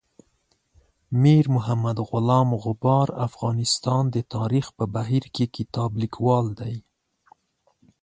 میر محمد غلام غبار افغانستان د تاریخ په بهیر کې کتاب لیکوال دی.